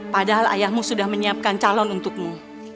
padahal ayahmu sudah menyiapkan calon untukmu